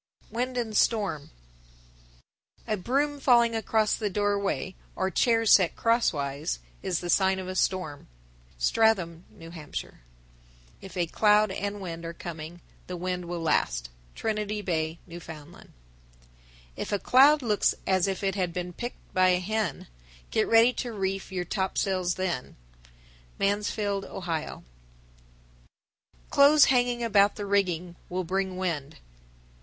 _ WIND AND STORM. 1050. A broom falling across the doorway, or chairs set crosswise, is the sign of a storm. Stratham, N.H. 1051. If a cloud and wind are coming, the wind will last. Trinity Bay, N.F. 1052. If a cloud looks as if it had been picked by a hen, Get ready to reef your topsails then. Mansfield, O. 1053. Clothes hanging about the rigging will bring wind.